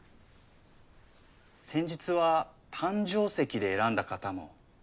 先日は誕生石で選んだ方も。